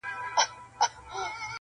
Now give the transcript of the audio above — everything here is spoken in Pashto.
دکرم سیوری چي دي وسو پر ما,